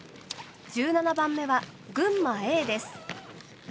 １７番目は群馬Ａです。